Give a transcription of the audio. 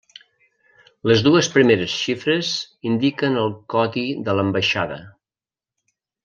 Les dues primeres xifres indiquen el codi de l'ambaixada.